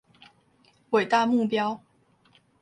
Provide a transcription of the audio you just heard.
偉大目標